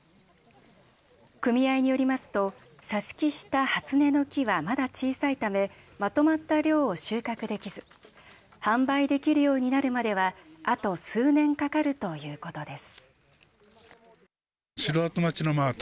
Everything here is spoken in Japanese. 組合によりますと挿し木した初音の木はまだ小さいためまとまった量を収穫できず販売できるようになるまではあと数年かかるということです。